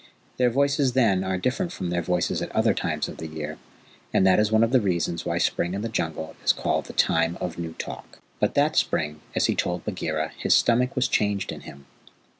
Their voices then are different from their voices at other times of the year, and that is one of the reasons why spring in the Jungle is called the Time of New Talk. But that spring, as he told Bagheera, his stomach was changed in him.